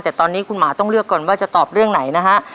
แต่ตอนนี้คุณหมาต้องเลือกก่อนว่าจะตอบเรื่องไหนนะฮะ